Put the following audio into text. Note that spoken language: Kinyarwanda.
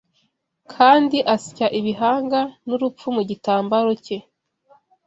Kandi asya ibihanga, n'urupfu mu gitambaro cye